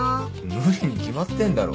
無理に決まってんだろ。